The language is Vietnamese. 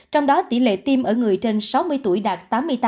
trong đó tỷ lệ tiêm ở người trên sáu mươi tuổi đạt tám mươi tám